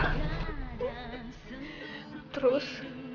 terus allah ambil rumah aku mas